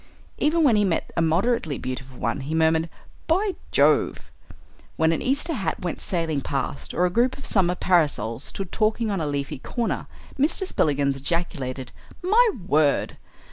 Even when he met a moderately beautiful one he murmured, "By Jove!" When an Easter hat went sailing past, or a group of summer parasols stood talking on a leafy corner, Mr. Spillikins ejaculated, "My word!"